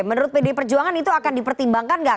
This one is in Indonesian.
menurut pdi perjuangan itu akan dipertimbangkan nggak